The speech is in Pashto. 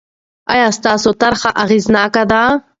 آیا ستاسو طرحه اغېزناکه ده؟